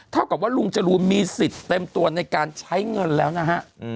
เท่ากับว่าลุงจรูนมีสิทธิ์เต็มตัวในการใช้เงินแล้วนะฮะ